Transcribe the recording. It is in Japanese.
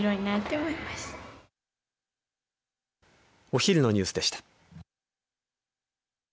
お昼のニュースでした。